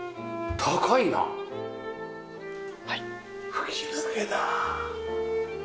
吹き抜けだ。